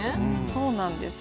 そうなんです。